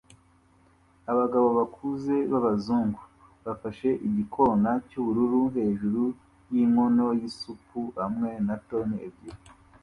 Abagabo bakuze b'abazungu bafashe igikona cy'ubururu hejuru y'inkono y'isupu hamwe na toni ebyiri